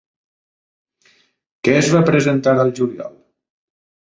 Què es va presentar al juliol?